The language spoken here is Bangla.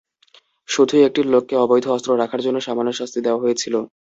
শুধু একটি লোককে অবৈধ অস্ত্র রাখার জন্য সামান্য শাস্তি দেওয়া হয়েছিল।